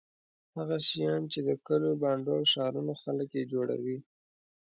هغه شیان چې د کلیو بانډو او ښارونو خلک یې جوړوي.